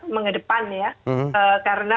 mengedepan ya karena